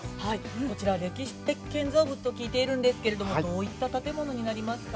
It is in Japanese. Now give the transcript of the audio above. こちら歴史的建造物と聞いているんですけれども、どういった建物になりますか。